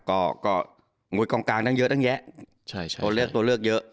ก็งุยกลางทั้งเยอะทั้งแยะตัวเลือกเยอะ